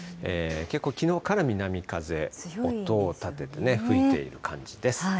結構きのうから南風、音を立てて吹いている感じです。